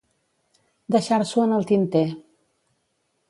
Deixar-s'ho en el tinter.